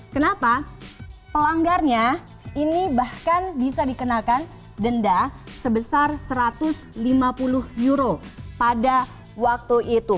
kenapa pelanggarnya ini bahkan bisa dikenakan denda sebesar satu ratus lima puluh euro pada waktu itu